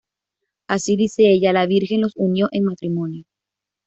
Así, dice ella, la Virgen los unió en matrimonio.